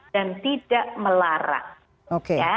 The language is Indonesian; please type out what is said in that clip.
dan tidak melarang